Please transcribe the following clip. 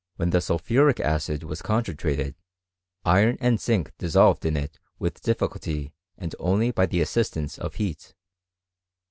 When the sulphuric acid wai concentrated, iron and zinc dissolved m it with diffi cnlty and only by the assistance of heat.